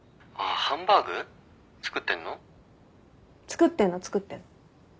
作ってんの作ってんの。